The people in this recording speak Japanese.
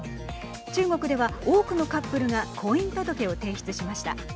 中国では多くのカップルが婚姻届を提出しました。